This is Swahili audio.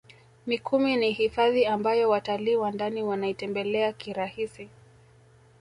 mikumi ni hifadhi ambayo watalii wa ndani wanaitembelea kirahisi